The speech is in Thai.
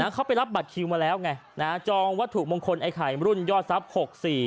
เขาไปรับบัตรคิวมาแล้วไงจองวัตถุมงคลไอ้ไข่รุ่นยอดทรัพย์๖๔